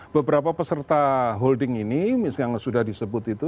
beberapa peserta holding ini yang sudah disebut itu